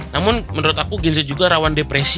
namun menurut aku gen z juga rawan depresi